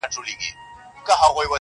دوې درې ورځي کراري وه هر څه ښه وه-